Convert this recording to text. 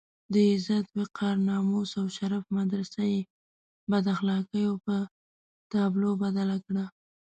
د عزت، وقار، ناموس او شرف مدرسه یې بد اخلاقيو په تابلو بدله کړه.